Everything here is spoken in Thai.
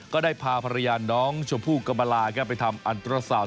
ก็ได้พาภรรยานน้องชมพูกำลังไปทำอันตรศาสตร์